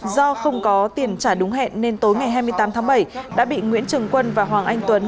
do không có tiền trả đúng hẹn nên tối ngày hai mươi tám tháng bảy đã bị nguyễn trường quân và hoàng anh tuấn